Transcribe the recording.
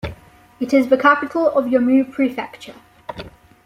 It is the capital of Yomou Prefecture.